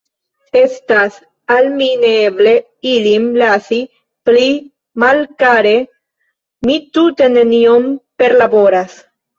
Estas al mi neeble ilin lasi pli malkare; mi tute nenion perlaboras.